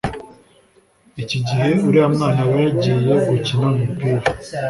ikigihe uriya mwana aba yagiye gukina umupira